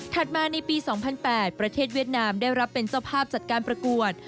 มาในปี๒๐๐๘ประเทศเวียดนามได้รับเป็นเจ้าภาพจัดการประกวด